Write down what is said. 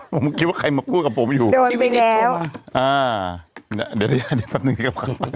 ผมคิดว่าใครมาพูดกับผมอยู่โดนไปแล้วอ่าเดี๋ยวเดี๋ยวเดี๋ยวแป๊บหนึ่งกลับกลับไป